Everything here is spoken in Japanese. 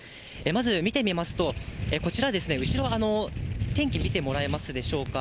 まず見てみますと、こちら後ろ、天気見てもらえますでしょうか。